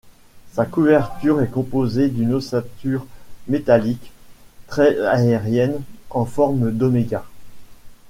Sa couverture est composée d'une ossature métallique très aérienne en forme d'oméga.